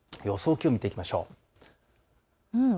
気温を見ていきましょう。